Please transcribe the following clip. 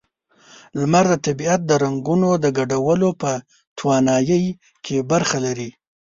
لمر د طبیعت د رنگونو د ګډولو په توانایۍ کې برخه لري.